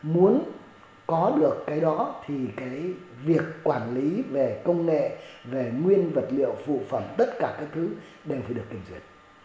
muốn có được cái đó thì cái việc quản lý về công nghệ về nguyên vật liệu phụ phẩm tất cả các thứ đều phải được kiểm duyệt